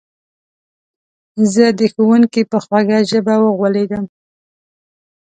زه د ښوونکي په خوږه ژبه وغولېدم